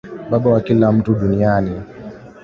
Baba wa kila mtu duniani.